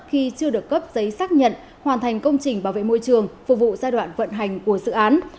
khi chưa được cấp giấy xác nhận hoàn thành công trình bảo vệ môi trường phục vụ giai đoạn vận hành của dự án